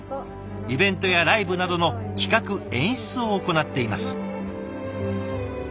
イベントやライブなどの企画演出を行っています。